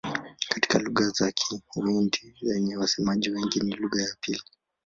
Kati ya lugha za Uhindi zenye wasemaji wengi ni lugha ya pili.